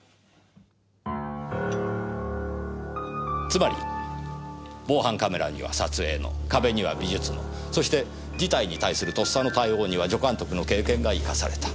つまり防犯カメラには撮影の壁には美術のそして事態に対するとっさの対応には助監督の経験が生かされた。